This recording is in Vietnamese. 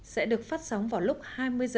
sẽ được phát sóng vào lúc hai mươi h